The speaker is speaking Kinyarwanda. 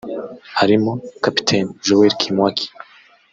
harimo kapiteni Joel Kimwaki